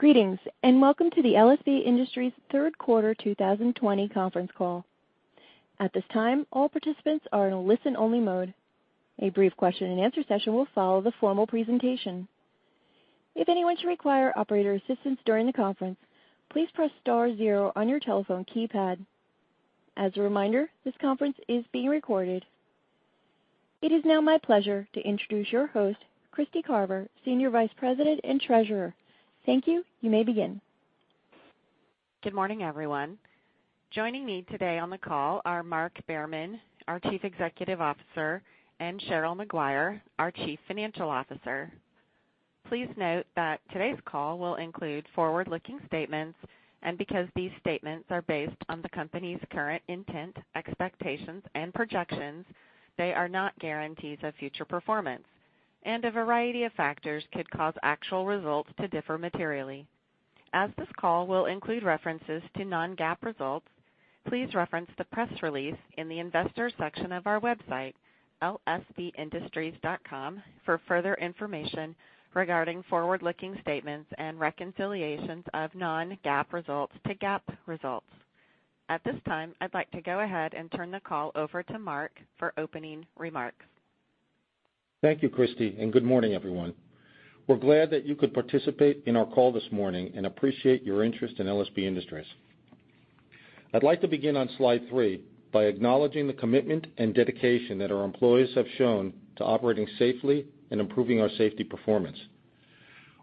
Greetings, welcome to the LSB Industries Third Quarter 2020 Conference Call. At this time, all participants are in listen-only mode. A brief question and answer session will follow the formal presentation. If anyone should require operator assistance during the conference, please press star zero on your telephone keypad. As a reminder, this conference is being recorded. It is now my pleasure to introduce your host, Kristy Carver, Senior Vice President and Treasurer. Thank you. You may begin. Good morning, everyone. Joining me today on the call are Mark Behrman, our Chief Executive Officer. And Cheryl Maguire, our Chief Financial Officer. Please note that today's call, will include forward-looking statements. Because these statements are based on the company's current intent, expectations, and projections. They are not guarantees of future performance. A variety of factors could cause actual results to differ materially. As this call will include references to non-GAAP results. Please reference the press release in the Investor section of our website, lsbindustries.com. For further information regarding forward-looking statements, and reconciliations of non-GAAP results, to GAAP results. At this time, I'd like to go ahead, and turn the call over to Mark for opening remarks. Thank you, Kristy. Good morning, everyone. We're glad that you could participate in our call this morning, and appreciate your interest in LSB Industries. I'd like to begin on slide three, by acknowledging the commitment, and dedication that our employees have shown. To operating safely, and improving our safety performance.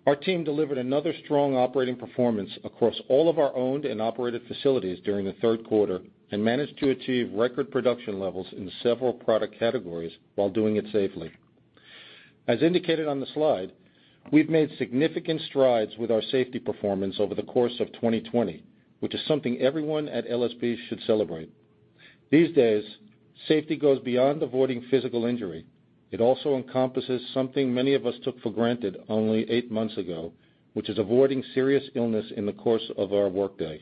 Our team delivered another strong operating performance. Across all of our owned, and operated facilities during the third quarter. And managed to achieve record production levels, in several product categories while doing it safely. As indicated on the slide, we've made significant strides. With our safety performance over the course of 2020. Which is something everyone, at LSB should celebrate. These days, safety goes beyond avoiding physical injury. It also encompasses something many of us, took for granted only eight months ago. Which is avoiding serious illness, in the course of our workday.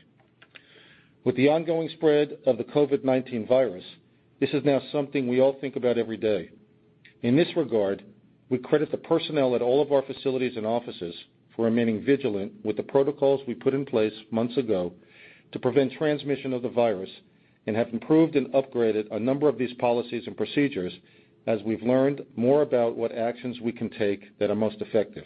With the ongoing spread of the COVID-19 virus. This is now something we all think about every day. In this regard, we credit the personnel at all of our facilities, and offices. For remaining vigilant, with the protocols we put in place months ago. To prevent transmission of the virus, and have improved, and upgraded a number of these policies, and procedures. As we've learned more about, what actions we can take that are most effective.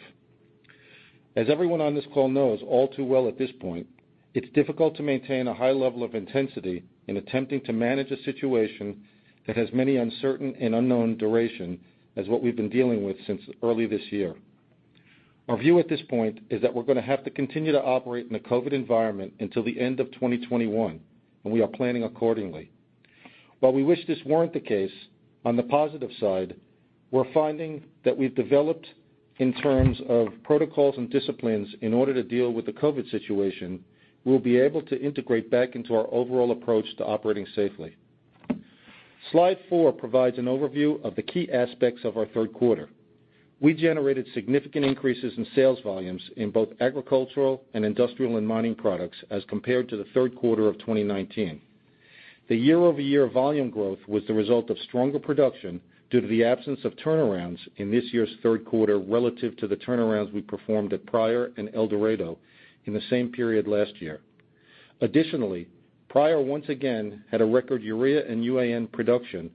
As everyone on this call knows all too well at this point. It's difficult to maintain a high level of intensity, in attempting to manage a situation. That has many uncertain, and unknown durations. As what we've been dealing, with since early this year. Our view at this point, is that we're going to have to continue. To operate in a COVID environment until the end of 2021, and we are planning accordingly. While we wish this weren't the case, on the positive side. We're finding that we've developed in terms of protocols, and disciplines. In order to deal, with the COVID-19 situation. We'll be able to integrate back, into our overall approach to operating safely. Slide four provides an overview, of the key aspects of our third quarter. We generated significant increases in sales volumes. In both agricultural, and industrial, and mining products. As compared to the third quarter of 2019. The year-over-year volume growth, was the result of stronger production. Due to the absence of turnarounds, in this year's third quarter. Relative to the turnarounds we performed at Pryor, and El Dorado in the same period last year. Additionally, Pryor once again had a record urea, and UAN production.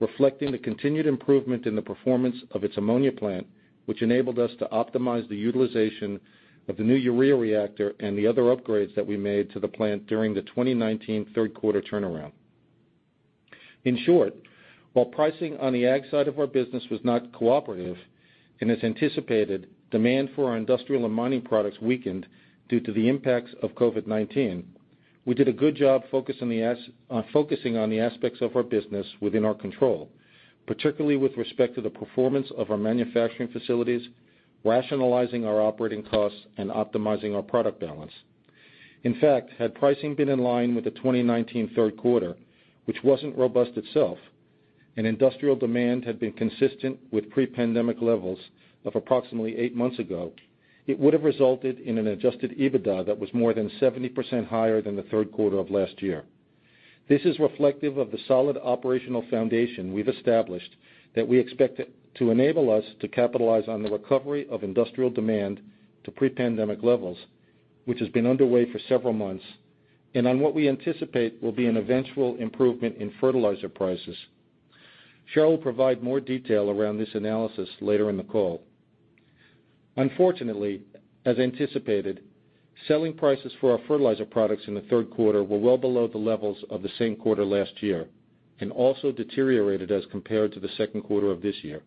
Reflecting the continued improvement, in the performance of its ammonia plant. Which enabled us to optimize the utilization, of the new urea reactor. And the other upgrades that we made to the plant, during the 2019 third quarter turnaround. In short, while pricing on the ag side of our business was not cooperative, and as anticipated. Demand for our industrial, and mining products weakened. Due to the impacts of COVID-19. We did a good job focusing on the aspects, of our business within our control. Particularly, with respect to the performance of our manufacturing facilities. Rationalizing our operating costs, and optimizing our product balance. In fact, had pricing been in line with the 2019 third quarter. Which wasn't robust itself, and industrial demand had been consistent. With pre-pandemic levels, of approximately eight months ago. It would have resulted in an adjusted EBITDA, that was more than 70% higher, than the third quarter of last year. This is reflective of the solid operational foundation we've established. That we expect to enable us, to capitalize on the recovery of industrial demand to pre-pandemic levels. Which has been underway for several months, and on what we anticipate. Will be an eventual improvement in fertilizer prices. Cheryl will provide more detail, around this analysis later in the call. Unfortunately, as anticipated, selling prices for our fertilizer products in the third quarter. Were well below the levels, of the same quarter last year. And also deteriorated, as compared to the second quarter of this year.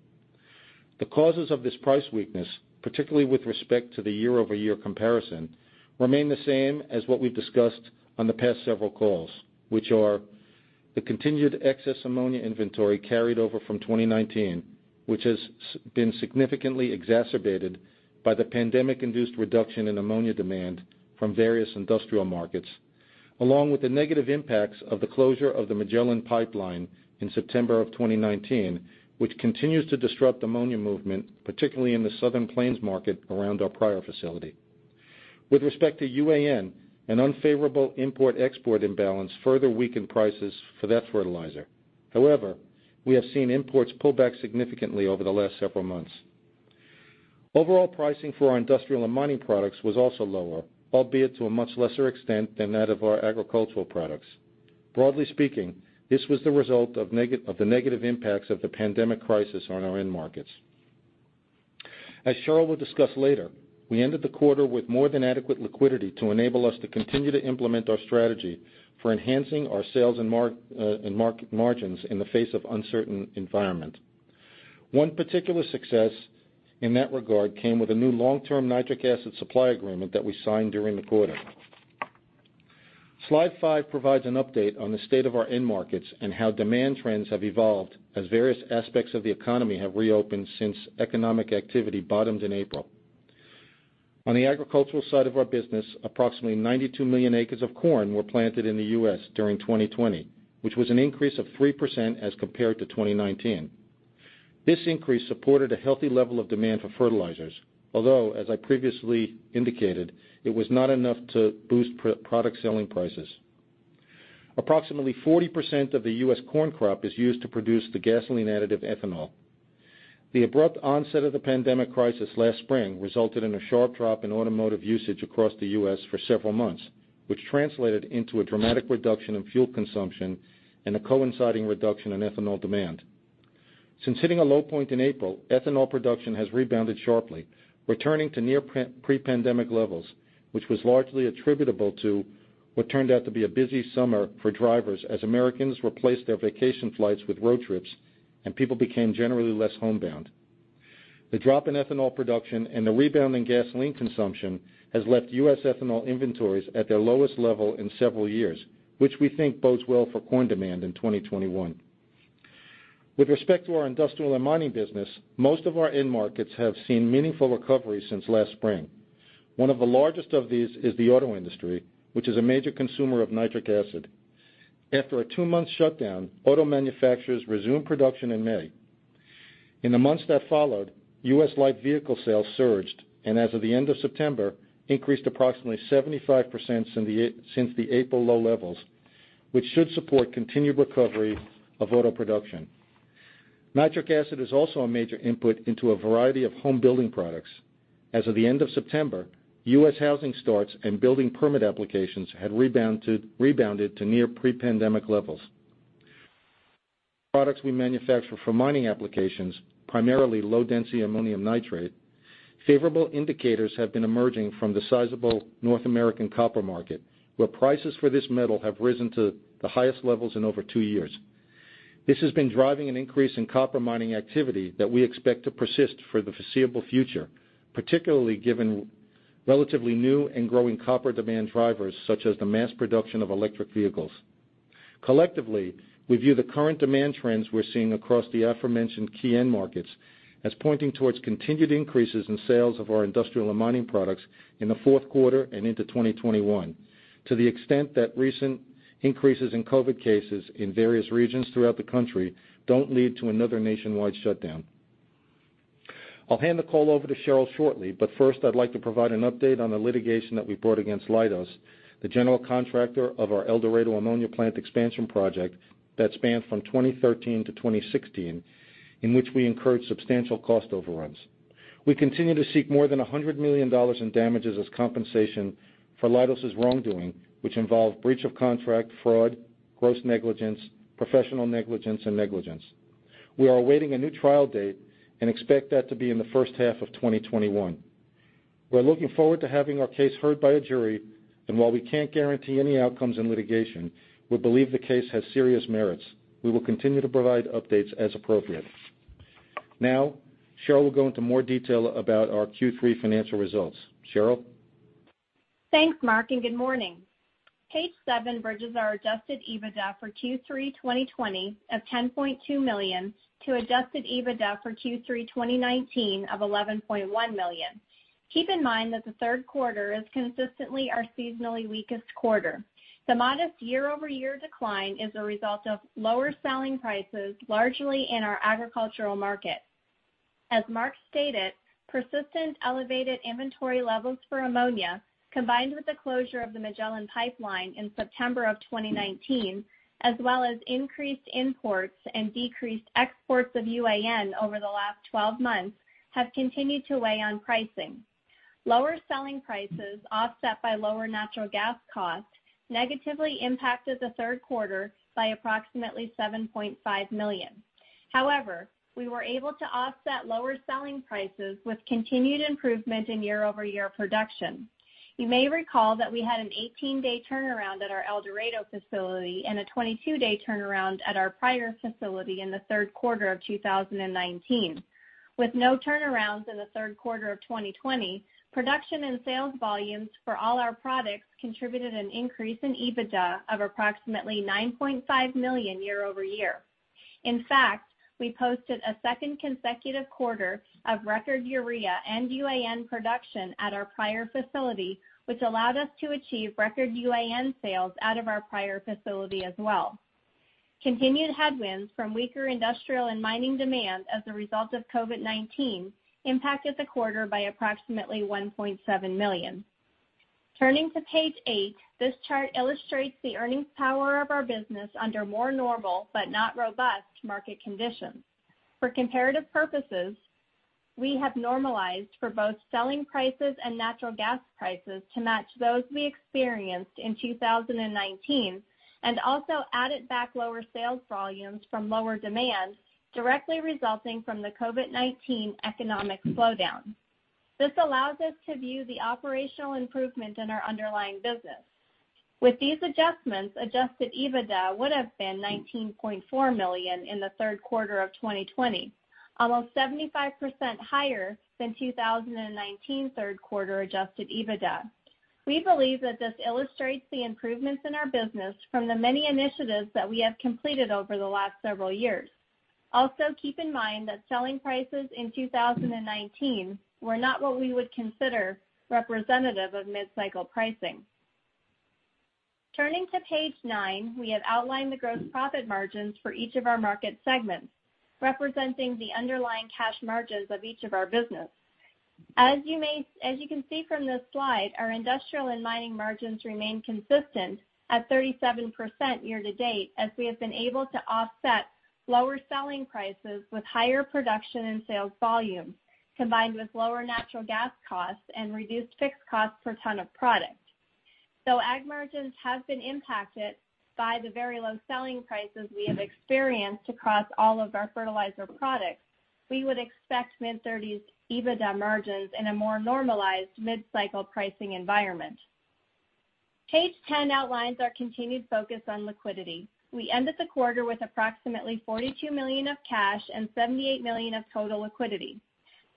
The causes of this price weakness, particularly with respect to the year-over-year comparison. Remain the same as, what we've discussed on the past several calls. Which are the continued excess ammonia inventory carried over from 2019. Which has been significantly exacerbated, by the pandemic-induced reduction in ammonia demand, from various industrial markets. Along with the negative impacts, of the closure of the Magellan pipeline, in September of 2019. Which continues to disrupt ammonia movement, particularly in the Southern Plains market around our Pryor facility. With respect to UAN, an unfavorable import-export imbalance. Further weakened prices for that fertilizer. However, we have seen imports pull back significantly, over the last several months. Overall pricing for our industrial, and mining products was also lower. Albeit to a much lesser extent, than that of our agricultural products. Broadly speaking, this was the result of the negative impacts, of the pandemic crisis on our end markets. As Cheryl will discuss later, we ended the quarter with more than adequate liquidity. To enable us to continue, to implement our strategy. For enhancing our sales, and margins in the face of uncertain environment. One particular success in that regard came, with a new long-term nitric acid supply agreement. That we signed during the quarter. Slide five provides an update, on the state of our end markets. And how demand trends have evolved. As various aspects of the economy, have reopened since economic activity bottomed in April. On the agricultural side of our business, approximately 92 million acres of corn. Were planted in the U.S. during 2020, which was an increase of 3% as compared to 2019. This increase supported a healthy level of demand for fertilizers. Although, as I previously indicated, it was not enough to boost product selling prices. Approximately 40% of the U.S. corn crop, is used to produce the gasoline additive ethanol. The abrupt onset of the pandemic crisis last spring, resulted in a sharp drop, in automotive usage across the U.S. for several months. Which translated into, a dramatic reduction in fuel consumption. And a coinciding reduction in ethanol demand. Since hitting a low point in April, ethanol production has rebounded sharply. Returning to near pre-pandemic levels, which was largely attributable to. What turned out to be a busy summer, for drivers as Americans replaced their vacation flights with road trips. And people became generally less homebound. The drop in ethanol production, and the rebound in gasoline consumption. Has left U.S. ethanol inventories, at their lowest level in several years. Which we think bodes well for corn demand in 2021. With respect to our industrial, and mining business. Most of our end markets, have seen meaningful recovery since last spring. One of the largest of these is the auto industry, which is a major consumer of nitric acid. After a two-month shutdown, auto manufacturers resumed production in May. In the months that followed, U.S. light vehicle sales surged. And as of the end of September, increased approximately 75% since the April low levels. Which should support continued recovery of auto production. Nitric acid is also a major input, into a variety of home building products. As of the end of September, U.S. housing starts, and building permit applications. Had rebounded to near pre-pandemic levels. Products we manufacture for mining applications, primarily low-density ammonium nitrate. Favorable indicators have been emerging, from the sizable North American copper market. Where prices for this metal have risen, to the highest levels in over two years. This has been driving an increase in copper mining activity. That we expect to persist, for the foreseeable future. Particularly, given relatively new, and growing copper demand drivers. Such as the mass production of electric vehicles. Collectively, we view the current demand trends, we're seeing across the aforementioned key end markets. As pointing towards continued increases in sales of our industrial, and mining products. In the fourth quarter, and into 2021. To the extent that recent increases in COVID cases, in various regions throughout the country. Don't lead to another nationwide shutdown. I'll hand the call over to Cheryl shortly, but first I'd like to provide an update. On the litigation, that we brought against Leidos. The general contractor, of our El Dorado Ammonia Plant Expansion project. That spanned from 2013-2016, in which we incurred substantial cost overruns. We continue to seek more than $100 million in damages, as compensation for Leidos' wrongdoing. Which involved breach of contract, fraud, gross negligence, professional negligence, and negligence. We are awaiting a new trial date, and expect that to be in the first half of 2021. We're looking forward, to having our case heard by a jury. And while we can't guarantee any outcomes in litigation. We believe the case has serious merits. We will continue to provide updates as appropriate. Cheryl will go into more detail, about our Q3 financial results. Cheryl? Thanks, Mark, and good morning. Page seven bridges our adjusted EBITDA, for Q3 2020 of $10.2 million. To adjusted EBITDA for Q3 2019 of $11.1 million. Keep in mind that the third quarter, is consistently our seasonally weakest quarter. The modest year-over-year decline, is a result of lower selling prices, largely in our agricultural markets. As Mark stated, persistent elevated inventory levels for ammonia. Combined with the closure, of the Magellan pipeline in September of 2019. As well as increased imports, and decreased exports of UAN over the last 12 months. Have continued to weigh on pricing. Lower selling prices, offset by lower natural gas cost. Negatively impacted the third quarter, by approximately $7.5 million. However, we were able to offset lower selling prices. With continued improvement, in year-over-year production. You may recall that, we had an 18-day turnaround at our El Dorado facility. And a 22-day turnaround, at our Pryor facility in the third quarter of 2019. With no turnarounds in the third quarter of 2020. Production, and sales volumes for all our products, contributed an increase in EBITDA of approximately $9.5 million year-over-year. In fact, we posted a second consecutive quarter of record urea, and UAN production at our Pryor facility. Which allowed us to achieve record UAN sales, out of our Pryor facility as well. Continued headwinds from weaker industrial, and mining demand as a result of COVID-19. Impacted the quarter, by approximately $1.7 million. Turning to page eight, this chart illustrates, the earnings power of our business. Under more normal, but not robust market conditions. For comparative purposes, we have normalized. For both selling prices, and natural gas prices to match those we experienced in 2019. And also added back lower sales volumes from lower demand. Directly resulting from the COVID-19 economic slowdown. This allows us to view, the operational improvement in our underlying business. With these adjustments, adjusted EBITDA would've been $19.4 million, in the third quarter of 2020. Almost 75% higher than 2019 third quarter adjusted EBITDA. We believe that this illustrates, the improvements in our business. From the many initiatives, that we have completed over the last several years. Also, keep in mind that selling prices in 2019, were not what we would consider representative of mid-cycle pricing. Turning to page nine, we have outlined the gross profit margins, for each of our market segments. Representing the underlying cash margins, of each of our business. As you can see from this slide, our industrial and mining margins remain consistent. At 37% year to date, as we have been able to offset lower selling prices. With higher production, and sales volume. Combined with lower natural gas costs, and reduced fixed costs per ton of product. Though ag margins have been impacted, by the very low selling prices. We have experienced across all of our fertilizer products. We would expect mid-30%s EBITDA margins, in a more normalized mid-cycle pricing environment. Page 10 outlines, our continued focus on liquidity. We ended the quarter with approximately $42 million of cash, and $78 million of total liquidity.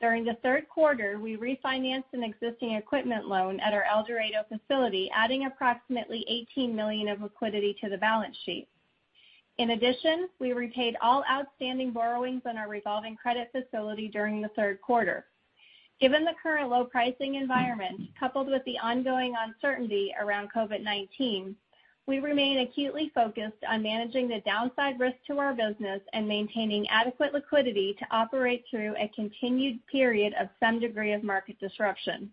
During the third quarter, we refinanced an existing equipment loan at our El Dorado facility. Adding approximately, $18 million of liquidity to the balance sheet. In addition, we repaid all outstanding borrowings, on our revolving credit facility during the third quarter. Given the current low pricing environment, coupled with the ongoing uncertainty around COVID-19. We remain acutely focused, on managing the downside risk to our business. And maintaining adequate liquidity, to operate through a continued period, of some degree of market disruption.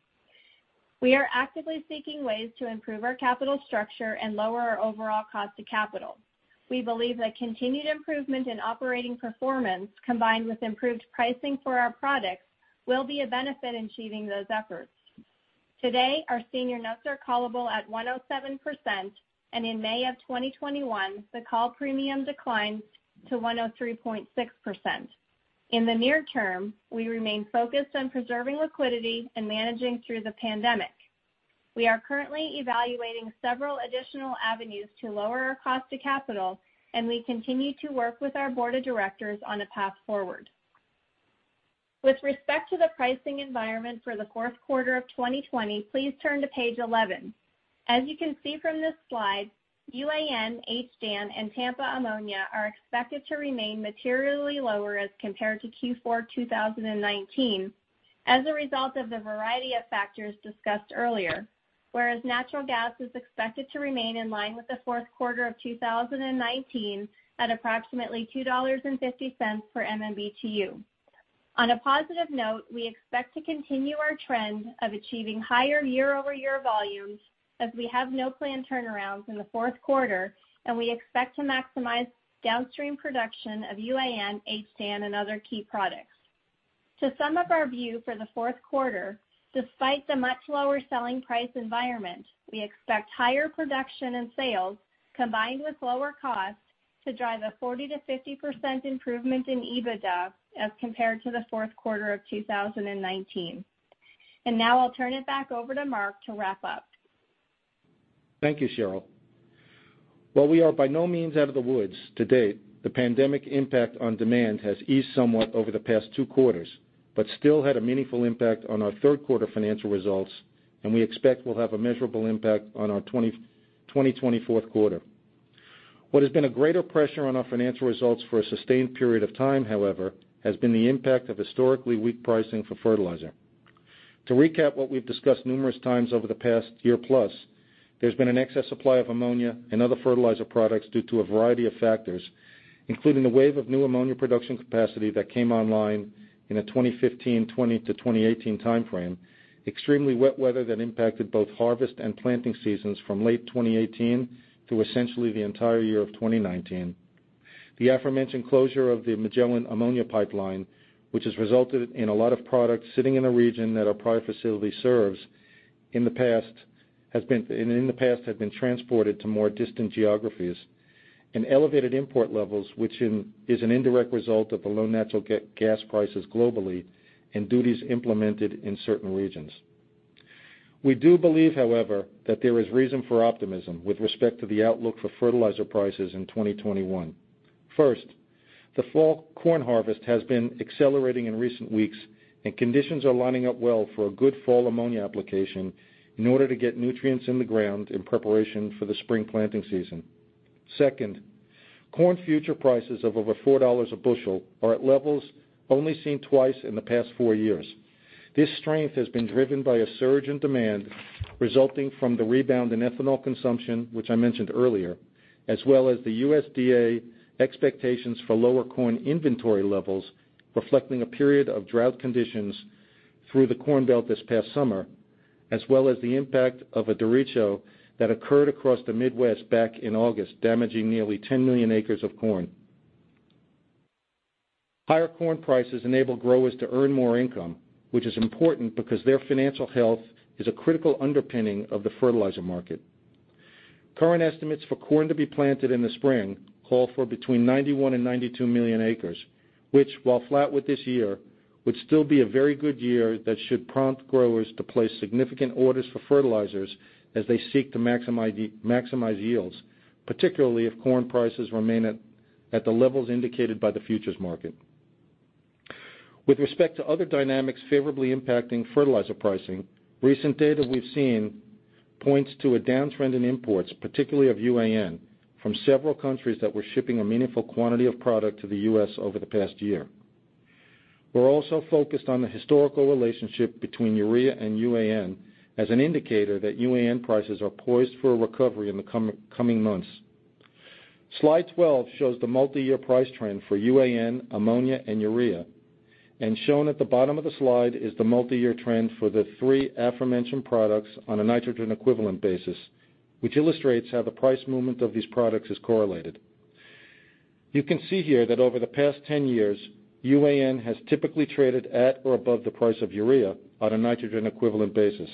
We are actively seeking ways, to improve our capital structure. And lower our overall cost to capital. We believe that continued improvement, in operating performance. Combined with improved pricing for our products. Will be a benefit in achieving those efforts. Today, our senior notes are callable at 107%, and in May of 2021. The call premium declined to 103.6%. In the near term, we remain focused on preserving liquidity, and managing through the pandemic. We are currently evaluating several additional avenues, to lower our cost to capital. And we continue to work, with our Board of Directors on a path forward. With respect to the pricing environment, for the fourth quarter of 2020. Please turn to page 11. As you can see from this slide, UAN, HDAN, and Tampa Ammonia. Are expected to remain materially lower, as compared to Q4 2019. As a result of the variety of factors discussed earlier. Whereas natural gas is expected to remain in line, with the fourth quarter of 2019. At approximately $2.50 per MMBtu. On a positive note, we expect to continue our trend, of achieving higher year-over-year volumes. As we have no planned turnarounds, in the fourth quarter. And we expect to maximize downstream production, of UAN, HDAN, and other key products. To sum up our view for the fourth quarter, despite the much lower selling price environment. We expect higher production, and sales, combined with lower costs. To drive a 40%-50% improvement in EBITDA, as compared to the fourth quarter of 2019. Now I'll turn it back over, to Mark to wrap up. Thank you, Cheryl. While we are by no means out of the woods, to date. The pandemic impact on demand, has eased somewhat over the past two quarters. But still had a meaningful impact, on our third quarter financial results. And we expect, will have a measurable impact on our 2020 fourth quarter. What has been a greater pressure, on our financial results for a sustained period of time. However, has been the impact of historically weak pricing for fertilizer. To recap what we've discussed, numerous times over the past year plus. There's been an excess supply of ammonia, and other fertilizer products. Due to a variety of factors, including the wave of new ammonia production capacity. That came online in the 2015-2018 timeframe. Extremely wet weather that impacted both harvest, and planting seasons from late 2018. Through essentially the entire year of 2019. The aforementioned closure, of the Magellan ammonia pipeline. Which has resulted in a lot of products sitting in a region, that our Pryor facility serves. And in the past have been transported, to more distant geographies. Elevated import levels, which is an indirect result of the low natural gas prices globally. And duties implemented in certain regions. We do believe, however, that there is reason for optimism. With respect to the outlook, for fertilizer prices in 2021. First, the fall corn harvest, has been accelerating in recent weeks. And conditions are lining up well, for a good fall ammonia application. In order to get nutrients in the ground, in preparation for the spring planting season. Second, corn future prices of over $4 a bushel are at levels, only seen twice in the past four years. This strength has been driven by a surge in demand. Resulting from the rebound in ethanol consumption, which I mentioned earlier. As well as the USDA expectations, for lower corn inventory levels. Reflecting a period of drought conditions, through the Corn Belt this past summer. As well as the impact of a Derecho, that occurred across the Midwest back in August. Damaging nearly 10 million acres of corn. Higher corn prices, enable growers to earn more income. Which is important, because their financial health, is a critical underpinning of the fertilizer market. Current estimates for corn to be planted in the spring, call for between 91 million acres and 92 million acres. Which while flat with this year, would still be a very good year. That should prompt growers, to place significant orders for fertilizers. As they seek to maximize yields. Particularly, if corn prices remain at, the levels indicated by the futures market. With respect to other dynamics, favorably impacting fertilizer pricing. Recent data we've seen, points to a downtrend in imports. Particularly, of UAN from several countries that were shipping, a meaningful quantity of product, to the U.S. over the past year. We're also focused on the historical relationship, between urea and UAN. As an indicator that UAN prices, are poised for a recovery in the coming months. Slide 12 shows the multi-year price trend for UAN, ammonia, and urea. Shown at the bottom of the slide, is the multi-year trend. For the three aforementioned products, on a nitrogen-equivalent basis. Which illustrates how the price movement of these products is correlated. You can see here that over the past 10 years. UAN has typically traded at or above, the price of urea on a nitrogen-equivalent basis.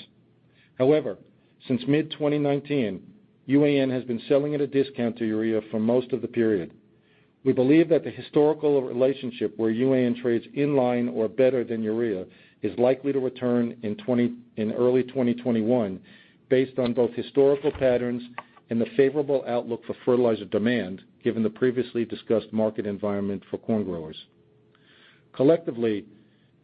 However, since mid-2019, UAN has been selling at a discount to urea for most of the period. We believe that the historical relationship, where UAN trades in line. Or better than urea, is likely to return in early 2021. Based on both historical patterns, and the favorable outlook for fertilizer demand. Given the previously, discussed market environment for corn growers. Collectively,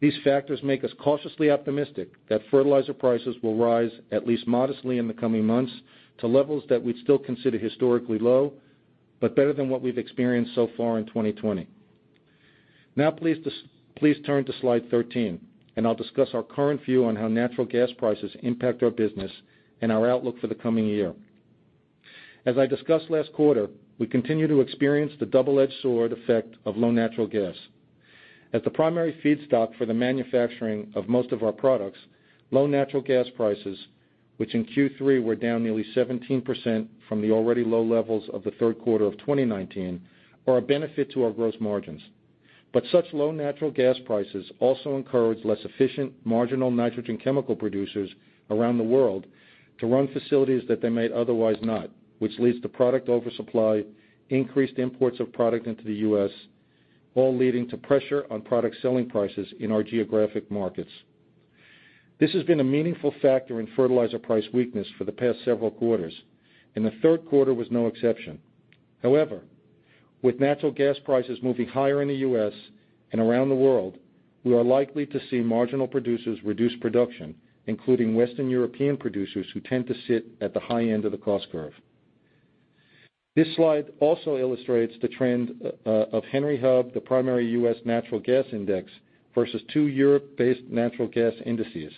these factors make us cautiously optimistic. That fertilizer prices will rise, at least modestly in the coming months. To levels that we'd still consider historically low. But better than, what we've experienced so far in 2020. Now please turn to slide 13, and I'll discuss our current view. On how natural gas prices, impact our business, and our outlook for the coming year. As I discussed last quarter, we continue to experience the double-edged sword effect, of low natural gas. As the primary feedstock for the manufacturing, of most of our products, low natural gas prices. Which in Q3 were down nearly 17%, from the already low levels of the third quarter of 2019, are a benefit to our gross margins. Such low natural gas prices, also encourage less efficient marginal nitrogen chemical producers, around the world. To run facilities, that they might otherwise not. Which leads to product oversupply, increased imports of product into the U.S. All leading to pressure on product selling prices, in our geographic markets. This has been a meaningful factor in fertilizer price weakness. For the past several quarters, and the third quarter was no exception. However, with natural gas prices moving higher in the U.S., and around the world. We are likely to see marginal producers reduce production. Including Western European producers, who tend to sit at the high end of the cost curve. This slide also illustrates the trend of Henry Hub. The primary U.S. natural gas index, versus two Europe-based natural gas indices.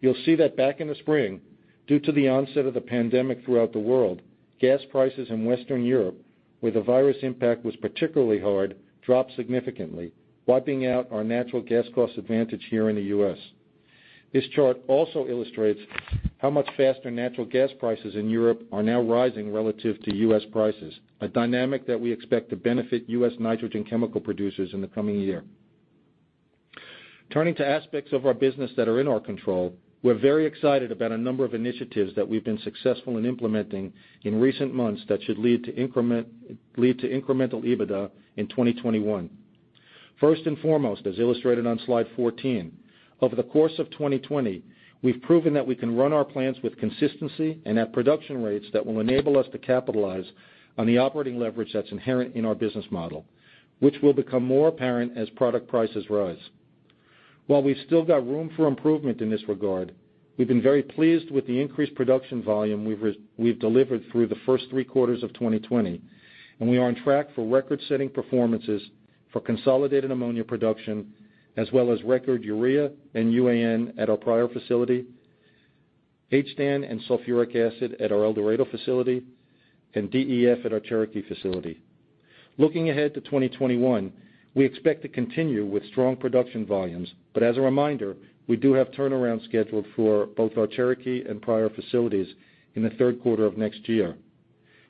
You'll see that back in the spring, due to the onset of the pandemic throughout the world. Gas prices in Western Europe, where the virus impact was particularly hard. Dropped significantly, wiping out our natural gas cost advantage here in the U.S. This chart also illustrates, how much faster natural gas prices in Europe. Are now rising relative to U.S. prices. A dynamic that we expect, to benefit U.S. nitrogen chemical producers in the coming year. Turning to aspects of our business, that are in our control. We're very excited about a number of initiatives, that we've been successful in implementing. In recent months, that should lead to incremental EBITDA in 2021. First and foremost, as illustrated on slide 14. Over the course of 2020, we've proven that we can run our plants with consistency. And at production rates, that will enable us to capitalize. On the operating leverage, that's inherent in our business model. Which will become more apparent, as product prices rise. While we've still got room for improvement in this regard. We've been very pleased, with the increased production volume. We've delivered through the first three quarters of 2020. We are on track for record-setting performances, for consolidated ammonia production. As well as record urea, and UAN at our Pryor facility. HDAN and sulfuric acid at our El Dorado facility, and DEF at our Cherokee facility. Looking ahead to 2021, we expect to continue with strong production volumes. As a reminder, we do have turnaround scheduled. For both our Cherokee, and Pryor facilities in the third quarter of next year.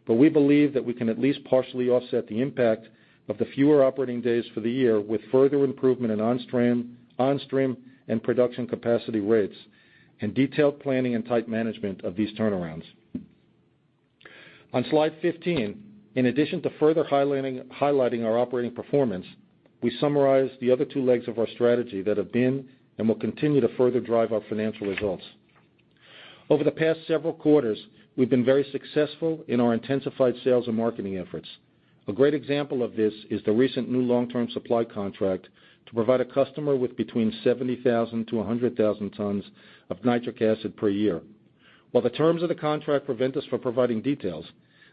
We believe that we can, at least partially offset the impact. Of the fewer operating days for the year, with further improvement in on-stream. And production capacity rates, and detailed planning, and tight management of these turnarounds. On slide 15, in addition to further highlighting our operating performance. We summarize the other two legs of our strategy that have been, and will continue to further drive our financial results. Over the past several quarters, we've been very successful in our intensified sales, and marketing efforts. A great example of this is, the recent new long-term supply contract. To provide a customer with between 70,000 tons-100,000 tons of nitric acid per year. While the terms of the contract, prevent us from providing details.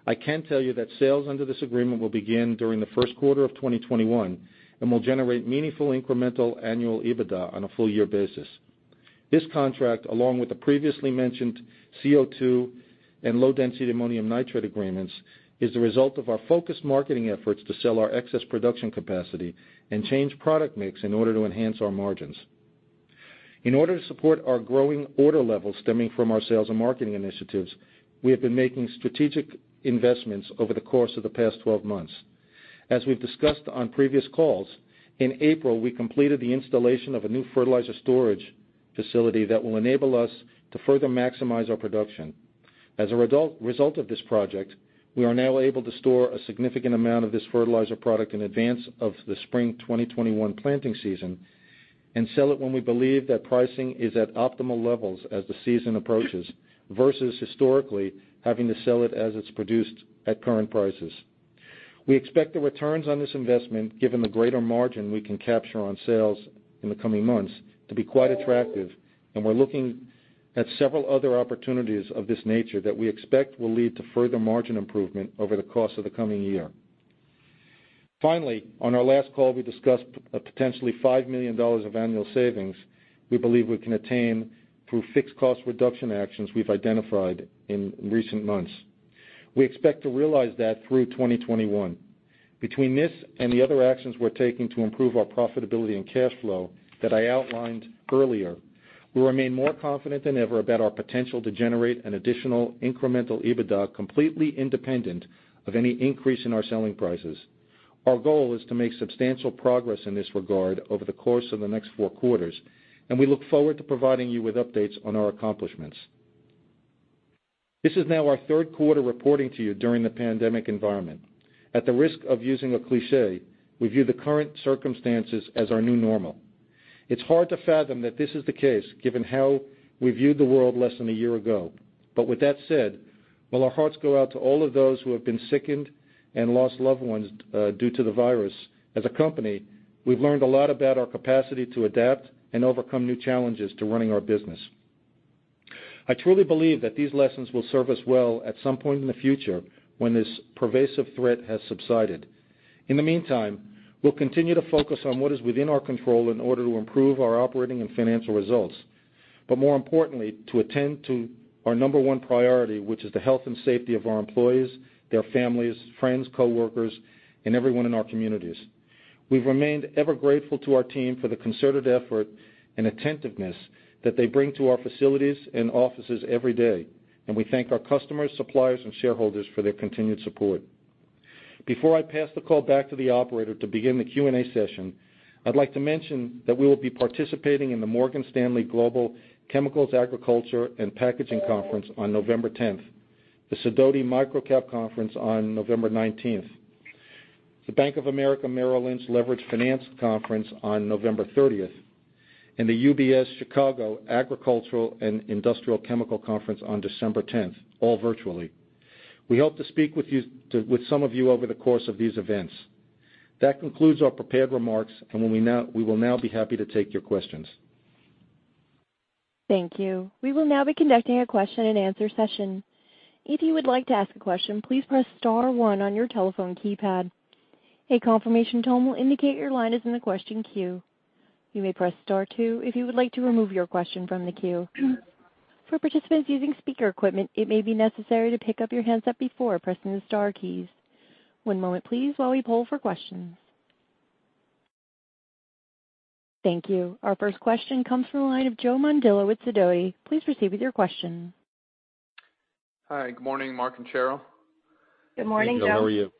I can tell you that sales under this agreement, will begin during the first quarter of 2021. And will generate meaningful incremental annual EBITDA on a full year basis. This contract, along with the previously mentioned CO2, and low-density ammonium nitrate agreements. Is the result of our focused marketing efforts, to sell our excess production capacity. And change product mix, in order to enhance our margins. In order to support our growing order levels, stemming from our sales and marketing initiatives. We have been making strategic investments, over the course of the past 12 months. As we've discussed on previous calls, in April. We completed the installation of a new fertilizer storage facility. That will enable us, to further maximize our production. As a result of this project, we are now able to store. A significant amount of this fertilizer product, in advance of the spring 2021 planting season. And sell it when we believe, that pricing is at optimal levels, as the season approaches. Versus historically having to sell it, as it's produced at current prices. We expect the returns on this investment, given the greater margin. We can capture on sales in the coming months. To be quite attractive, and we're looking at several other opportunities of this nature. That we expect will lead to further margin improvement, over the course of the coming year. Finally, on our last call, we discussed a potentially $5 million of annual savings. We believe we can attain, through fixed cost reduction actions. We've identified in recent months. We expect to realize, that through 2021. Between this, and the other actions we're taking. To improve our profitability, and cash flow that I outlined earlier. We remain more confident, than ever about our potential. To generate an additional incremental EBITDA, completely independent of any increase in our selling prices. Our goal is to make substantial progress in this regard, over the course of the next four quarters. And we look forward to providing you, with updates on our accomplishments. This is now our third quarter reporting to you, during the pandemic environment. At the risk of using a cliché, we view the current circumstances as our new normal. It's hard to fathom that this is the case, given how we viewed the world less than a year ago. With that said, while our hearts go out to all of those. Who have been sickened, and lost loved ones due to the virus. As a company, we've learned a lot about our capacity to adapt. And overcome new challenges, to running our business. I truly believe that these lessons will serve us well. At some point in the future, when this pervasive threat has subsided. In the meantime, we'll continue to focus on. What is within our control, in order to improve our operating, and financial results. And more importantly, to attend to our number one priority. Which is the health, and safety of our employees. Their families, friends, coworkers, and everyone in our communities. We've remained ever grateful to our team for the concerted effort, and attentiveness. That they bring to our facilities, and offices every day. And we thank our customers, suppliers, and shareholders for their continued support. Before I pass the call back to the operator, to begin the Q&A session. I'd like to mention, that we will be participating in the Morgan Stanley Global Chemicals, Agriculture and Packaging Conference on November 10th. The Sidoti MicroCap Conference on November 19th. The Bank of America Merrill Lynch Leveraged Finance Conference on November 30th. And the UBS Chicago Agricultural & Industrial Chemical Conference on December 10th, all virtually. We hope to speak with some of you, over the course of these events. That concludes our prepared remarks, and we will now be happy to take your questions. Thank you, we will now be conducting a question-and-answer session. If you would like to ask a question, please press star one on your telephone keypad. A confirmation tune will indicate your line, is in the question queue. You may press star two, if you would like to remove your question from the queue. For using specific speaker equipment, it may be necessary to pick up your handset before pressing star key. One moment please, while we pull the question. Thank you. Our first question comes from, the line of Joe Mondillo with Sidoti. Please proceed with your question. Hi, good morning, Mark and Cheryl. Good morning, Joe. How are you?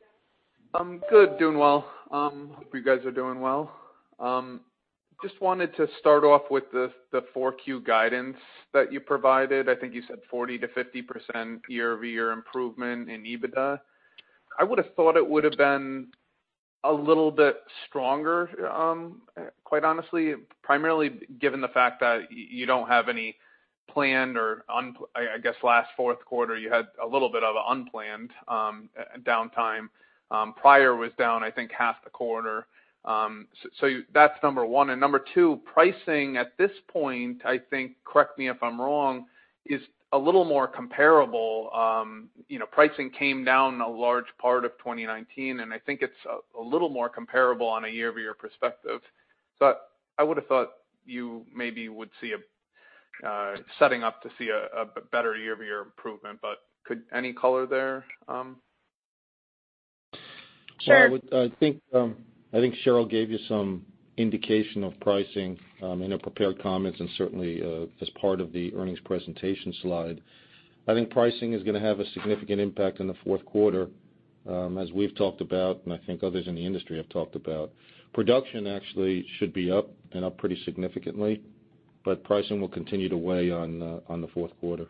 I'm good, doing well. Hope you guys are doing well. Just wanted to start off, with the 4Q guidance that you provided. I think you said 40%-50% year-over-year improvement in EBITDA. I would have thought, it would have been a little bit stronger, quite honestly. Primarily, given the fact that you don't have any planned or. I guess, last fourth quarter, you had a little bit of an unplanned downtime. Pryor was down, I think, half the quarter. That's number one. Number two, pricing at this point. I think, correct me if I'm wrong, is a little more comparable. Pricing came down a large part of 2019. I think, it's a little more comparable on a year-over-year perspective. I would have thought you maybe, would see a setting up to see, a better year-over-year improvement. Could any color there? Sure. I think Cheryl gave you some indication, of pricing in her prepared comments. And certainly, as part of the earnings presentation slide. I think pricing is going to have, a significant impact on the fourth quarter. As we've talked about, and I think others in the industry have talked about. Production actually should be up, and up pretty significantly. Pricing will continue to weigh on the fourth quarter.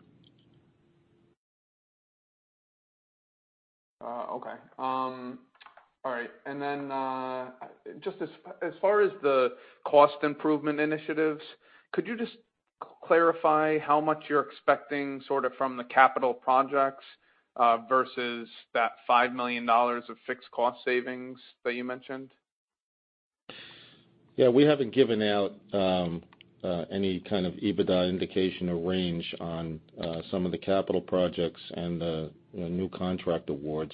Okay, all right. Just as far as the cost improvement initiatives. Could you just clarify, how much you're expecting from the capital projects? Versus that $5 million, of fixed cost savings that you mentioned? Yeah, we haven't given out any kind of EBITDA indication or range. On some of the capital projects, and the new contract awards.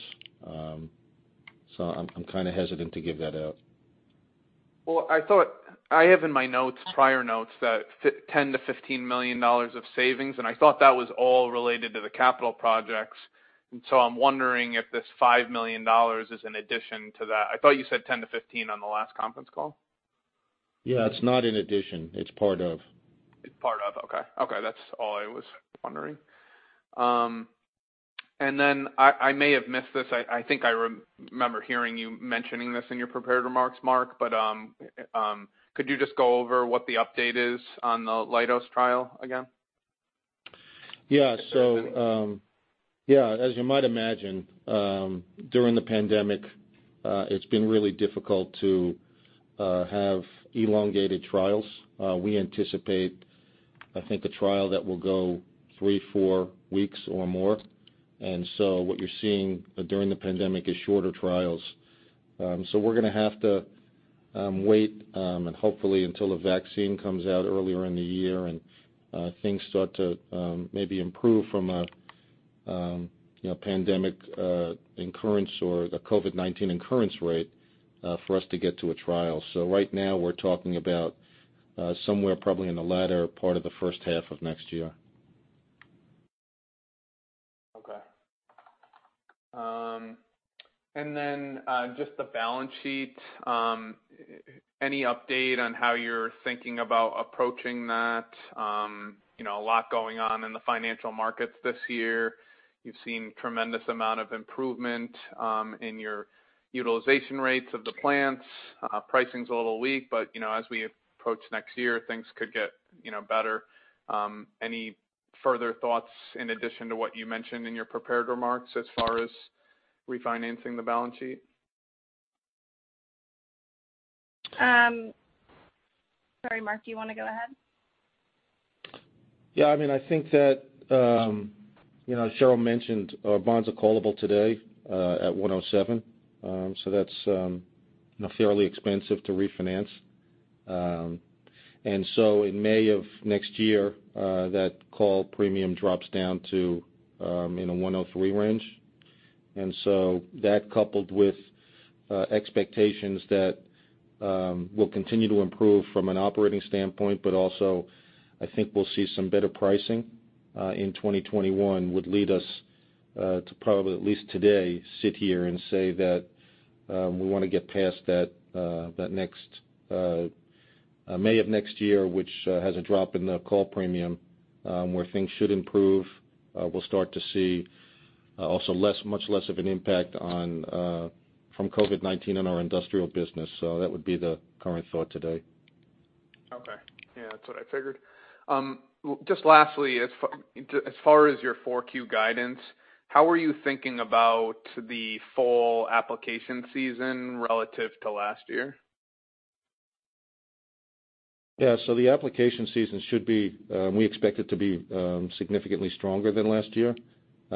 I'm kind of hesitant to give that out. Well, I have in my notes, prior notes. That $10 million-$15 million of savings, and I thought that was all related to the capital projects. I'm wondering if this $5 million is in addition to that. I thought you said $10 million-$15 million, on the last conference call. Yeah. It's not in addition. It's part of. It's part of, okay. Okay, that's all I was wondering. I may have missed this, I think I remember hearing you mentioning this in your prepared remarks. Mark, could you just go over, what the update is on the Leidos' trial again? Yeah. As you might imagine, during the pandemic. It's been really difficult, to have elongated trials. We anticipate, I think, a trial that will go three, four weeks or more. What you're seeing during the pandemic is shorter trials. We're going to have to wait, and hopefully until the vaccine comes out earlier in the year. And things start to maybe improve, from a pandemic incurrence or the COVID-19 incurrence rate, for us to get to a trial. Right now, we're talking about somewhere probably, in the latter part of the first half of next year. Okay. Then just the balance sheet. Any update on how you're thinking about approaching that? A lot going on in the financial markets this year. You've seen tremendous amount of improvement, in your utilization rates of the plants. Pricing's a little weak, but as we approach next year, things could get better. Any further thoughts in addition, to what you mentioned in your prepared remarks, as far as refinancing the balance sheet? Sorry, Mark, do you want to go ahead? Yeah, I think that, as Cheryl mentioned, our bonds are callable today at 107. That's fairly expensive to refinance. In May of next year, that call premium drops down to in the 103 range. That coupled with expectations, that we'll continue to improve from an operating standpoint. But also, I think we'll see some better pricing in 2021. Would lead us to probably at least today sit here, and say that we want to get past that next May of next year. Which has a drop in the call premium, where things should improve. We'll start to see also much less of an impact from COVID-19 on our industrial business. That would be the current thought today. Okay. Yeah, that's what I figured. Just lastly, as far as your 4Q guidance. How are you thinking about, the fall application season relative to last year? Yeah. The application season, we expect it to be significantly stronger than last year.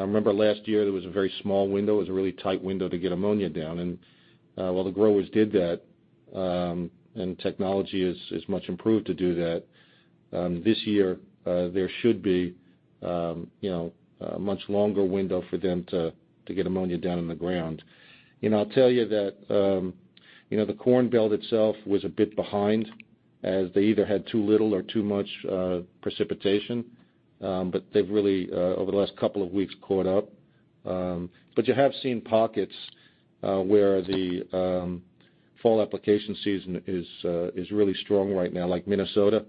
Remember last year, it was a very small window. It was a really tight window, to get ammonia down. While the growers did that, and technology is much improved to do that. This year, there should be a much longer window, for them to get ammonia down in the ground. I'll tell you that the corn belt itself, was a bit behind. As they either had too little, or too much precipitation. They've really, over the last couple of weeks, caught up. You have seen pockets, where the fall application season is really strong right now, like Minnesota.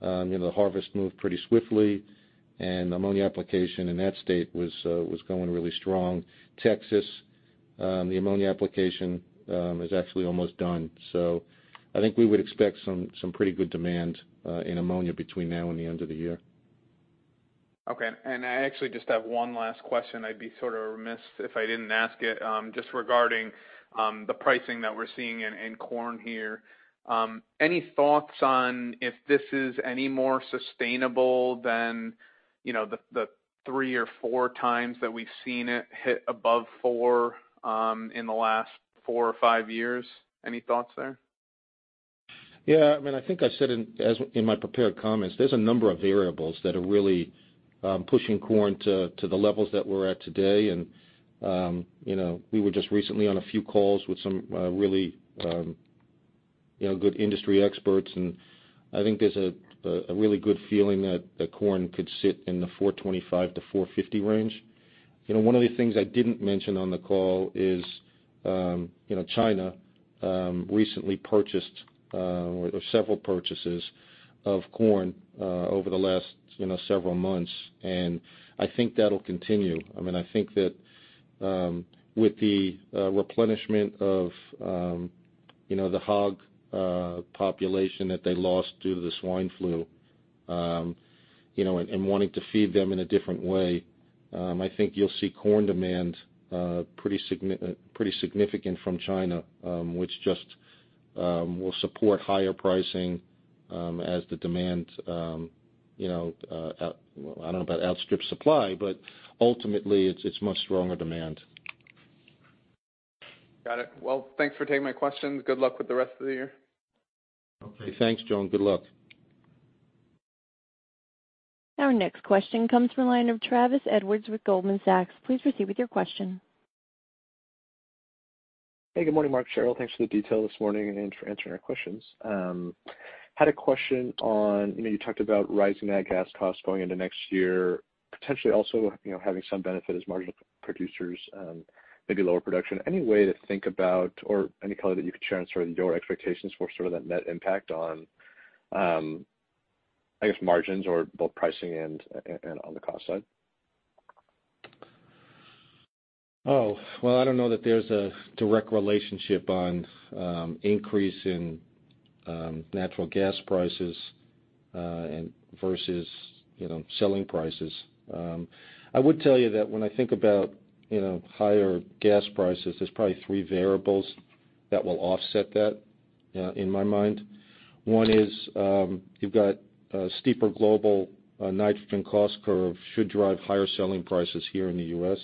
The harvest moved pretty swiftly, and ammonia application in that state, was going really strong. Texas, the ammonia application is actually almost done. I think we would expect some pretty good demand. In ammonia between now, and the end of the year. Okay. I actually just have one last question. I'd be sort of remiss, if I didn't ask it. Just regarding the pricing, that we're seeing in corn here. Any thoughts on if this is any more sustainable, than the three or four times that we've seen it, hit above four in the last four or five years? Any thoughts there? Yeah. I think I said in my prepared comments, there's a number of variables. That are really, pushing corn to the levels that we're at today. We were just recently on a few calls, with some really good industry experts. And I think there's a really good feeling, that corn could sit in the $4.25-$4.50 range. One of the things I didn't mention on the call, is China recently purchased. Or there were several purchases, of corn over the last several months. I think that'll continue. I think, that with the replenishment of the hog population. That they lost due to the swine flu, and wanting to feed them in a different way. I think, you'll see corn demand pretty significant from China. Just will support higher pricing, as the demand. I don't know about outstrip supply, but ultimately, it's much stronger demand. Got it. Well, thanks for taking my questions. Good luck with the rest of the year. Okay. Thanks, Joe. Good luck. Our next question comes from, the line of Travis Edwards with Goldman Sachs. Please proceed with your question. Hey, good morning, Mark, Cheryl. Thanks for the detail this morning, and for answering our questions. Had a question on, you talked about rising nat gas costs going into next year. Potentially, also having some benefit as marginal producers, maybe lower production. Any way to think about, or any color that you could share on your expectations. For that net impact on, margins or both pricing, and on the cost side? Oh. Well, I don't know that there's a direct relationship on, increase in natural gas prices versus selling prices. I would tell you, that when I think about higher gas prices. There's probably three variables, that will offset that, in my mind. One is you've got a steeper global nitrogen cost curve, should drive higher selling prices here in the U.S.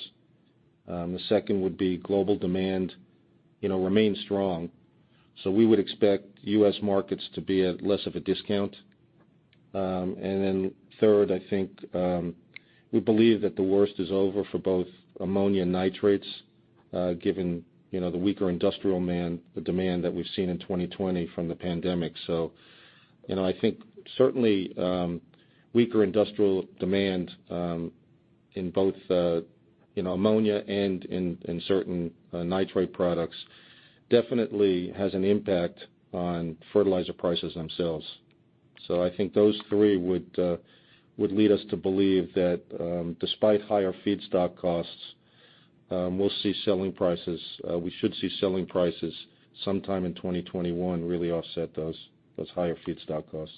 The second would be global demand remains strong. We would expect U.S. markets, to be at less of a discount. Third, I think, we believe that the worst is over for both ammonia and nitrates. Given the weaker industrial demand, that we've seen in 2020 from the pandemic. I think certainly, weaker industrial demand in both ammonia, and in certain nitrate products. Definitely, has an impact on fertilizer prices themselves. I think those three would lead us to believe, that despite higher feedstock costs. We should see selling prices sometime in 2021, really offset those higher feedstock costs.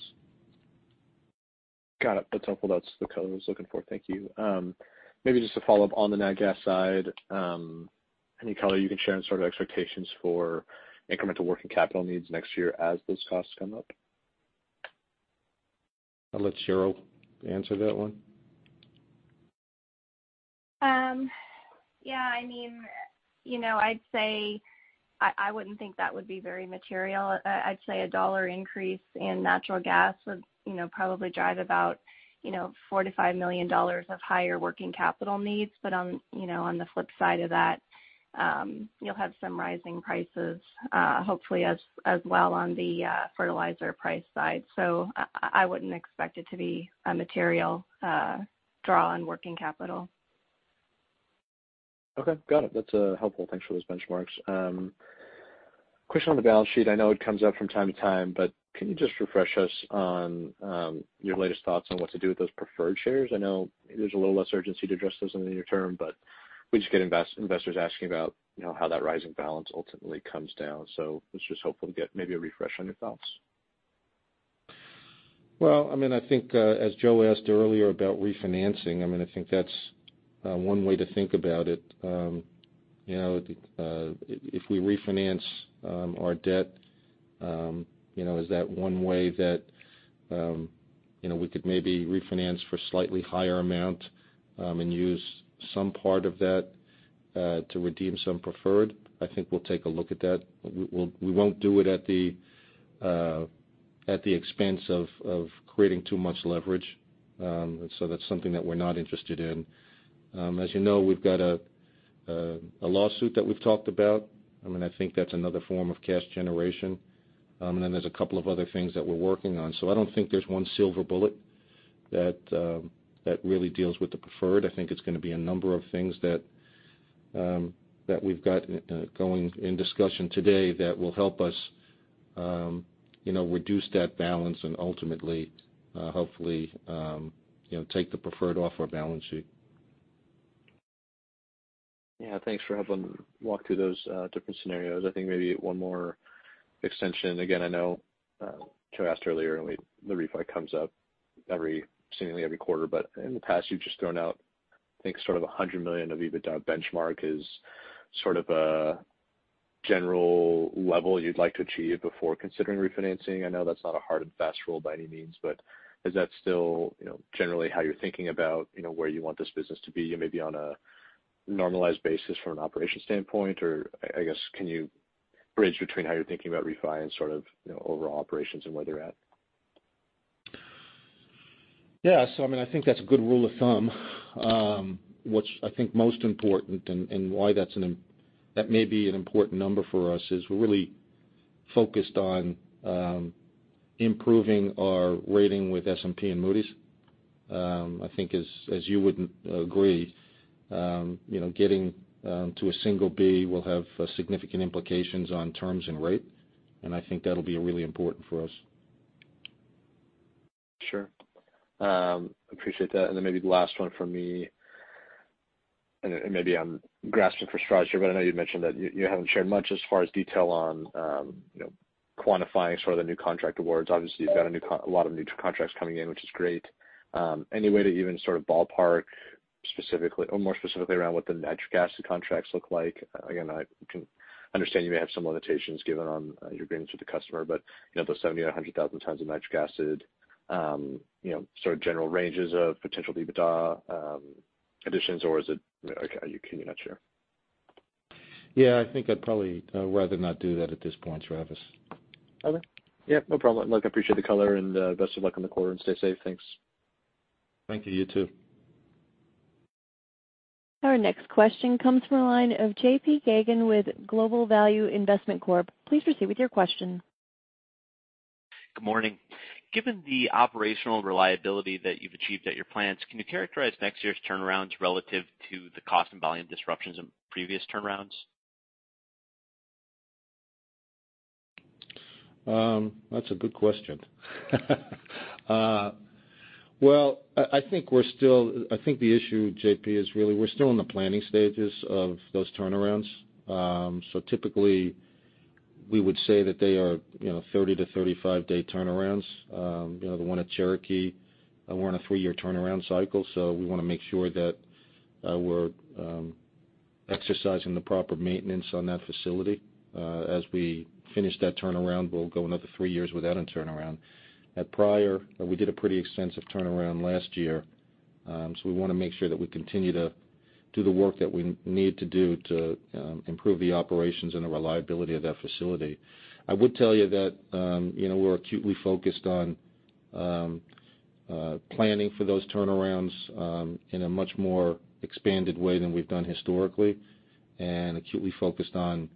Got it, that's helpful. That's the color I was looking for. Thank you. Maybe just to follow up on the nat gas side. Any color you can share on expectations, for incremental working capital needs next year, as those costs come up? I'll let Cheryl answer that one. Yeah. I'd say, I wouldn't think that would be very material. I'd say a $1 increase in natural gas, would probably drive about $4 million-$5 million, of higher working capital needs. On the flip side of that, you'll have some rising prices. Hopefully, as well on the fertilizer price side. I wouldn't expect it, to be a material draw on working capital. Okay. Got it. That's helpful. Thanks for those benchmarks. Question on the balance sheet. I know it comes up from time to time, but can you just refresh us on your latest thoughts on. What to do with those preferred shares? I know there's a little less urgency, to address those in the near term. But we just get investors asking, about how that rising balance ultimately comes down? Was just hopeful to get maybe, a refresh on your thoughts. Well, I think as Joe asked earlier about refinancing. I think, that's one way to think about it. If we refinance our debt, is that one way. That we could maybe refinance for slightly higher amount, and use some part of that to redeem some preferred? I think, we'll take a look at that. We won't do it at the expense, of creating too much leverage. That's something that we're not interested in. As you know, we've got a lawsuit, that we've talked about. I think that's another form of cash generation. There's a couple of other things, that we're working on. I don't think there's one silver bullet, that really deals with the preferred. I think it's going to be a number of things, that we've got going in discussion today. That will help us reduce that balance. And ultimately, hopefully take the preferred off our balance sheet. Yeah. Thanks for helping walk through, those different scenarios. I think maybe one more extension. Again, I know Joe asked earlier, the refi comes up seemingly every quarter. But in the past, you've just thrown out. I think sort of $100 million of EBITDA benchmark, is sort of a general level. You'd like to achieve, before considering refinancing. I know that's not a hard, and fast rule by any means. But is that still generally, how you're thinking about? Where you want this business to be? Maybe on a normalized basis from an operations standpoint, or I guess can you bridge between. How you're thinking about refi, and overall operations, and where they're at? I think, that's a good rule of thumb. What's I think most important, and why that may be an important number for us. Is we're really focused on, improving our rating with S&P and Moody's. I think as you would agree, getting to a single B. Will have significant implications on terms, and rate. And I think, that'll be really important for us. Sure, appreciate that. Then maybe the last one from me, and maybe I'm grasping for straws here. But I know you'd mentioned, that you haven't shared much as far as detail on, quantifying the new contract awards. Obviously, you've got a lot of new contracts coming in, which is great. Any way to even sort of ballpark, specifically or more specifically around. What the nitric acid contracts look like? Again, I can understand you may have some limitations, given on your agreements with the customer. But those 70,000 tons-100,000 tons of nitric acid. Sort of general ranges of potential EBITDA additions, or can you not share? Yeah, I think I'd probably rather not do that at this point, Travis. Okay. Yeah, no problem. Look, I appreciate the color, and best of luck on the quarter, and stay safe. Thanks. Thank you, you too. Our next question comes from, the line of JP Geygan with Global Value Investment Corp. Please proceed with your question. Good morning. Given the operational reliability, that you've achieved at your plants. Can you characterize next year's turnarounds relative to the cost, and volume disruptions in previous turnarounds? That's a good question. Well, I think the issue, JP, is really we're still in the planning stages of those turnarounds. Typically, we would say that they are 30–35-day turnarounds. The one at Cherokee, we're on a three-year turnaround cycle. We want to make sure, that we're exercising the proper maintenance on that facility. As we finish that turnaround, we'll go another three years without a turnaround. At Pryor, we did a pretty extensive turnaround last year. We want to make sure that we continue, to do the work. That we need to do to improve the operations, and the reliability of that facility. I would tell you, that we're acutely focused on. Planning for those turnarounds, in a much more expanded way. Than we've done historically, and acutely focused on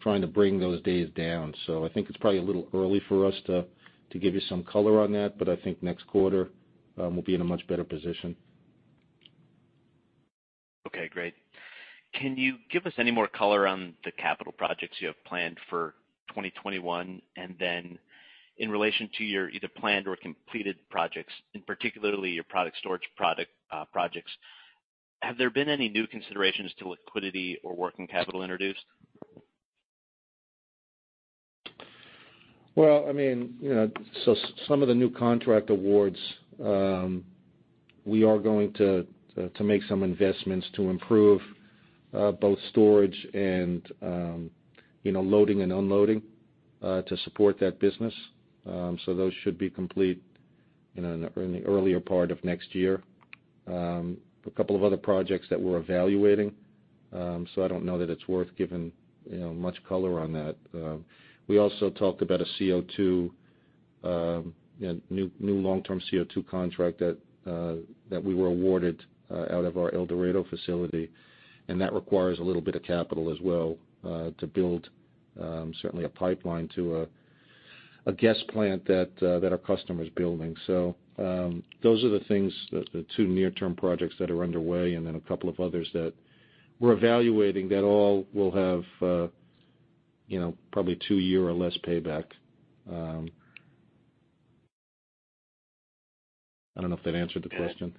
trying to bring those days down. I think it's probably a little early for us, to give you some color on that. But I think next quarter, we'll be in a much better position. Okay, great. Can you give us any more color on, the capital projects you have planned for 2021? In relation to your either planned or completed projects. In particularly, your product storage projects. Have there been any new considerations to liquidity, or working capital introduced? Well, some of the new contract awards, we are going to make some investments. To improve both storage, and loading, and unloading to support that business. Those should be complete, in the earlier part of next year. A couple of other projects, that we're evaluating. So, I don't know that, it's worth giving much color on that. We also talked about a new long-term CO2 contract. That we were awarded out of our El Dorado facility, and that requires a little bit of capital as well. To build certainly a pipeline, to a gas plant that our customer's building. Those are the things, the two near-term projects. That are underway, and then a couple of others. That we're evaluating, that all will have probably two-year or less payback. I don't know if that answered the question.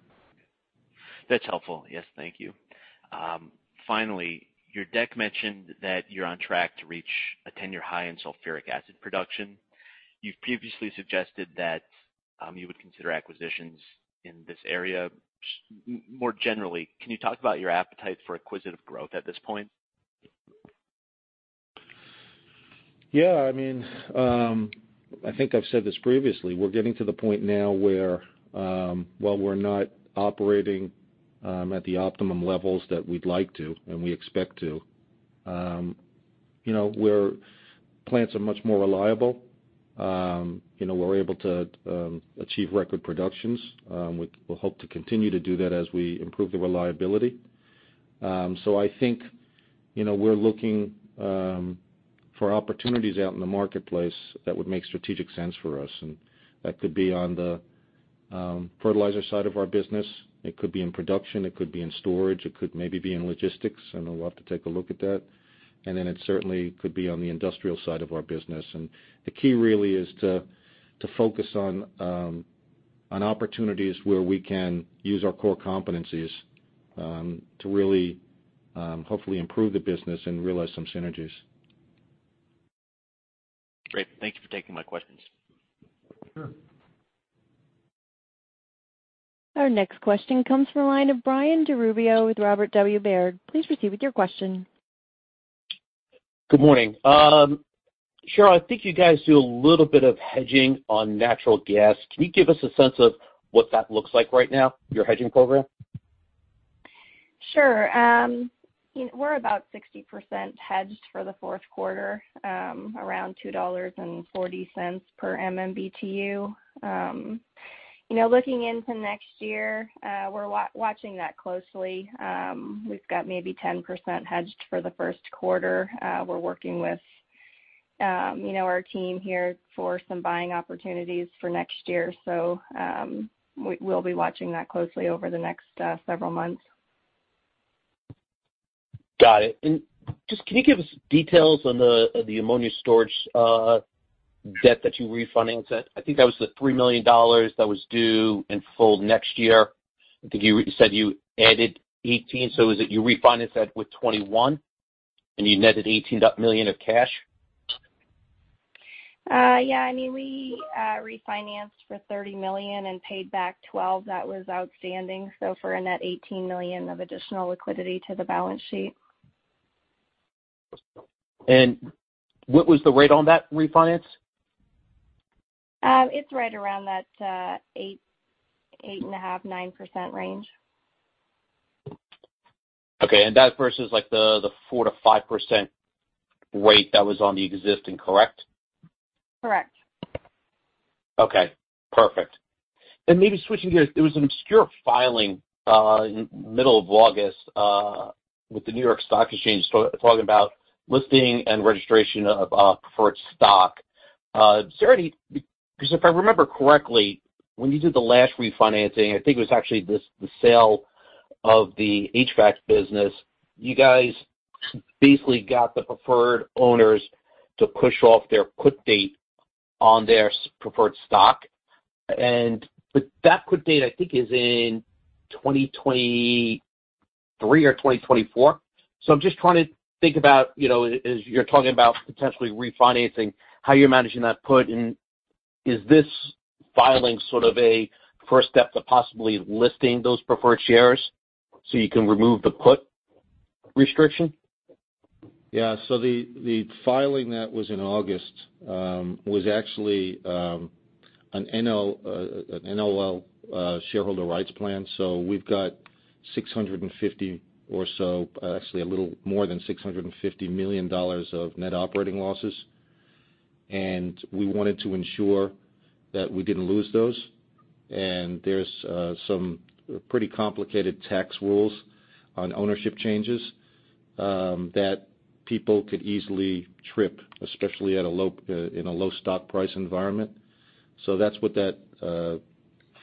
That's helpful. Yes, thank you. Finally, your deck mentioned, that you're on track. To reach a 10-year high in sulfuric acid production. You've previously suggested that, you would consider acquisitions in this area. More generally, can you talk about your appetite for acquisitive growth at this point? Yeah. I think, I've said this previously. We're getting to the point now, where while we're not operating at the optimum levels. That we'd like to, and we expect to. Where plants are much more reliable. We're able to achieve record productions. We hope to continue to do that, as we improve the reliability. I think, we're looking for opportunities out in the marketplace. That would make strategic sense for us, and that could be on the fertilizer side of our business. It could be in production, it could be in storage. It could maybe be in logistics, and we'll have to take a look at that. It certainly, could be on the industrial side of our business. The key really is to focus on opportunities. Where we can use our core competencies. To really hopefully improve the business, and realize some synergies. Great. Thank you for taking my questions. Sure. Our next question comes from, the line of Brian DiRubbio with Robert W. Baird. Please proceed with your question. Good morning. Cheryl, I think you guys, do a little bit of hedging on natural gas. Can you give us a sense of, what that looks like right now, your hedging program? Sure. We're about 60% hedged for the fourth quarter, around $2.40 per MMBtu. Looking into next year, we're watching that closely. We've got maybe 10% hedged for the first quarter. We're working with our team here, for some buying opportunities for next year. We'll be watching that closely, over the next several months. Got it. Just can you give us details, on the ammonia storage debt that you refinanced? I think that was the $3 million, that was due in full next year. I think, you said you added $18 million. Is it you refinanced that with $21 million, and you netted $18 million of cash? Yeah. We refinanced for $30 million, and paid back $12 million. That was outstanding, so for a net $18 million of additional liquidity, to the balance sheet. What was the rate on that refinance? It's right around, that 8.5%-9% range. Okay, that versus the 4%-5% rate, that was on the existing, correct? Correct. Okay, perfect. Maybe switching gears, there was an obscure filing. In middle of August, with the New York Stock Exchange talking about listing, and registration of preferred stock. If I remember correctly, when you did the last refinancing. I think, it was actually the sale of the HVAC business. You guys basically got the preferred owners, to push off their put date, on their preferred stock. That put date, I think is in 2023 or 2024. I'm just trying to think about, as you're talking about potentially refinancing. How you're managing that put? And is this filing sort of a first step, to possibly listing those preferred shares. So you can remove the put restriction? The filing that was in August, was actually an NOL shareholder rights plan. We've got $650 or so, actually a little more than $650 million of net operating losses. And we wanted to ensure, that we didn't lose those. There's some pretty complicated tax rules, on ownership changes. That people could easily trip, especially in a low stock price environment. That's what that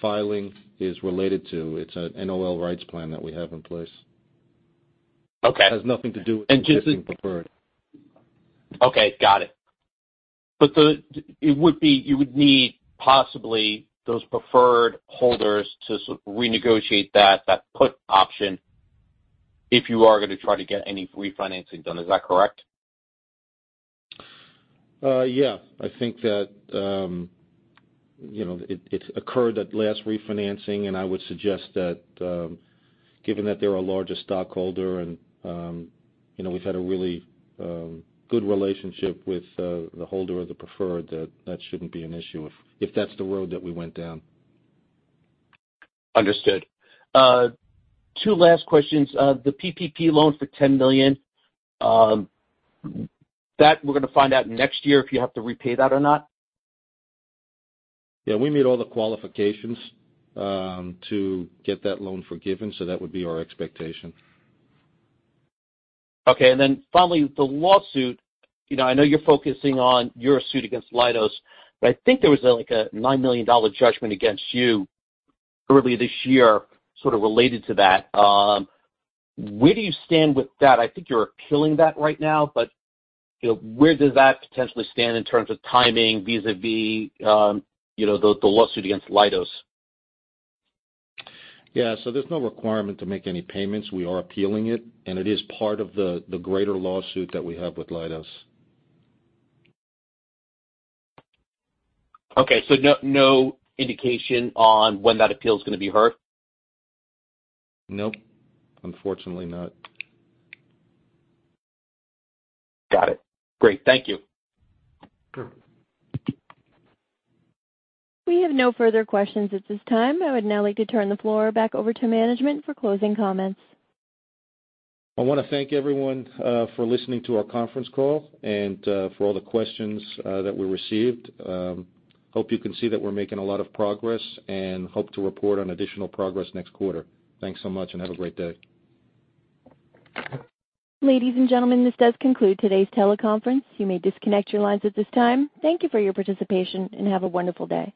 filing is related to. It's an NOL rights plan, that we have in place. Okay. It has nothing to do with preferred. Okay, got it. You would need possibly, those preferred holders. To renegotiate that put option, if you are going to try. To get any refinancing done, is that correct? Yeah. I think, that it occurred at last refinancing. And I would suggest, that given that they're our largest stockholder. And we've had a really good relationship, with the holder of the preferred. That that shouldn't be an issue, if that's the road that we went down. Understood, two last questions. The PPP loan for $10 million, that we're going to find out next year, if you have to repay that or not? Yeah, we meet all the qualifications, to get that loan forgiven. That would be our expectation. Okay. Finally, the lawsuit. I know you're focusing on, your suit against Leidos. But I think there was a $9 million judgment against you, early this year sort of related to that. Where do you stand with that? I think you're appealing that right now. But where does that potentially stand, in terms of timing vis-à-vis the lawsuit against Leidos? Yeah. There's no requirement, to make any payments. We are appealing it, and it is part of the greater lawsuit, that we have with Leidos. Okay. No indication on, when that appeal is going to be heard? Nope. Unfortunately, not. Got it, great. Thank you. Sure. We have no further questions at this time. I would now like to turn the floor back over, to management for closing comments. I want to thank everyone for listening to our conference call, and for all the questions that we received. Hope you can see, that we're making a lot of progress. And hope to report on additional progress next quarter. Thanks so much, and have a great day. Ladies and gentlemen, this does conclude today's teleconference. You may disconnect your lines at this time. Thank you for your participation, and have a wonderful day.